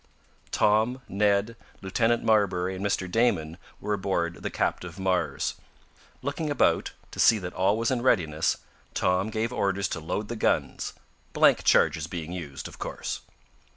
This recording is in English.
Tom, Ned, Lieutenant Marbury and Mr. Damon were aboard the captive Mars. Looking about, to see that all was in readiness, Tom gave orders to load the guns, blank charges being used, of course.